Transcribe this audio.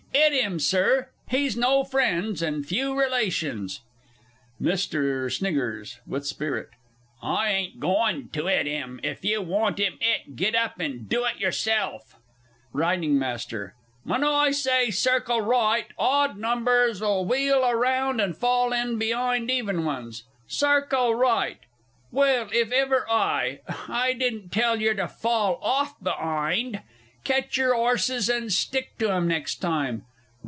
'It 'im, Sir; he's no friends and few relations! MR. S. (with spirit). I ain't going to 'it 'im. If you want him 'it, get up and do it yourself! R. M. When I say "Circle Right" odd numbers'll wheel round and fall in be'ind even ones. Circle Right!... Well, if ever I I didn't tell yer to fall off be'ind. Ketch your 'orses and stick to 'em next time.